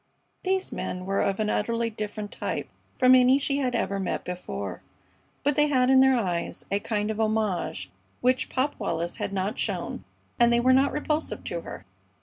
These men were of an utterly different type from any she had ever met before, but they had in their eyes a kind of homage which Pop Wallis had not shown and they were not repulsive to her.